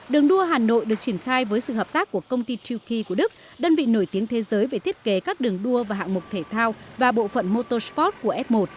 đường đua hà nội được triển khai với sự hợp tác của công ty truki của đức đơn vị nổi tiếng thế giới về thiết kế các đường đua và hạng mục thể thao và bộ phận motor sport của f một